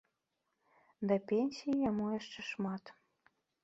Да пенсіі яму яшчэ шмат.